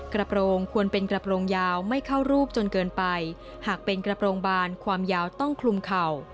กระโปรงควรเป็นกระโปรงยาวไม่เข้ารูปจนเกินไปหากเป็นกระโปรงบานความยาวต้องคลุมเข่า